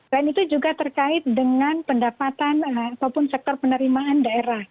dan itu juga terkait dengan pendapatan ataupun sektor penerimaan daerah